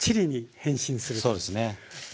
そうですね。